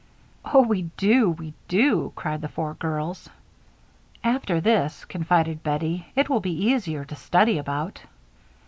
"Oh, we do, we do!" cried the four girls. "After this," confided Bettie, "it will be easier to study about."